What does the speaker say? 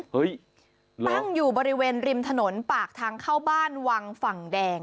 ตั้งอยู่บริเวณริมถนนปากทางเข้าบ้านวังฝั่งแดง